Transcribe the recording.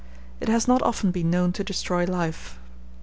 It has not often been known to destroy life.